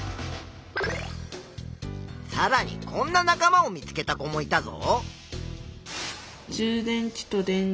さらにこんな仲間を見つけた子もいたぞ。